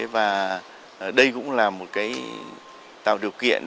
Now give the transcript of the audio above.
và đây cũng là một cái tạo điều kiện